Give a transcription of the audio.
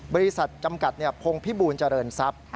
บริษัทจำกัดพงพิบูลเจริญทรัพย์